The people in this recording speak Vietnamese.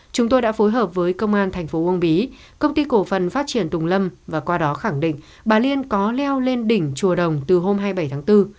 chúng tôi đã phối hợp với công an thành phố uông bí công ty cổ phần phát triển tùng lâm và qua đó khẳng định bà liên có leo lên đỉnh chùa đồng từ hôm hai mươi bảy tháng bốn